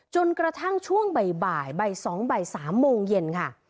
จนกระทั่งช่วงใบบ่ายใบสองใบสามโมงเย็นค่ะ